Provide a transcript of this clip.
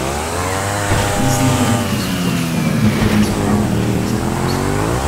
These themes were introduced in Portugal by the engravings of Robert and James Adams.